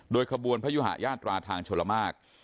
โดยขบวนพญุงหายาตรวาทางชลมาศ